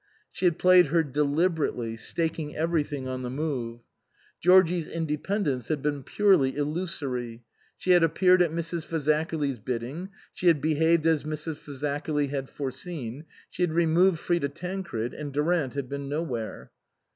She had played her deliberately, staking every thing on the move. Georgie's independence had been purely illusory. She had appeared at Mrs. Fazakerly's bidding, she had behaved as Mrs. Fazakerly had foreseen, she had removed Frida Tancred, and Durant had been nowhere.